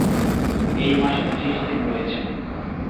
এই মাসে ত্রিশ দিন রয়েছে।